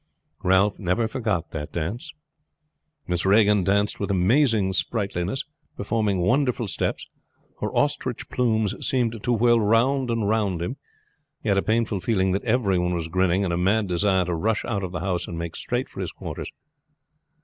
Ralph never forgot that dance. Miss Regan danced with amazing sprightliness, performing wonderful steps. Her ostrich plumes seemed to whirl round and round him, he had a painful feeling that every one was grinning, and a mad desire to rush out of the house and make straight for his quarters.